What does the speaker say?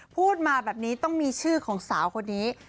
พูดมาแบบนี้ต้องมีชื่อของสาวคนนี้